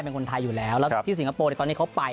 เป็นคนไทยอยู่แล้วแล้วที่สิงคโปร์ตอนนี้เขาไป